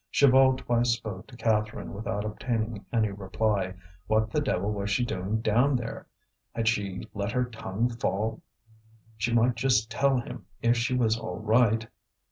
Chaval twice spoke to Catherine without obtaining any reply. What the devil was she doing down there? Had she let her tongue fall? She might just tell him if she was all right.